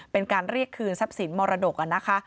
เป็นการเรียกคืนทรัพย์สินมรดกนะคะ